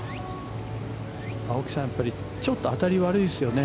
青木さん、ちょっと当たりが悪いですよね。